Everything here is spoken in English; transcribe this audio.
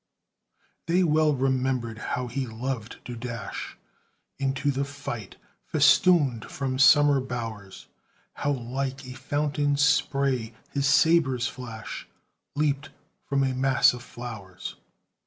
They well remembered how he loved to dash Into the fight, festooned from summer bowers; How like a fountain's spray his sabre's flash Leaped from a mass of flowers.